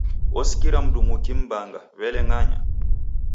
Osikira mndumu ukim'mbanga, w'ele ng'anya!